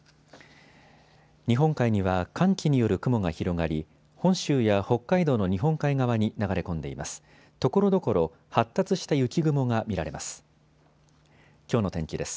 日本海には寒気による雲が広がり本州や北海道の日本海側に流れ込んでいます。